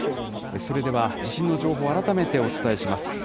それでは地震の情報を改めてお伝えします。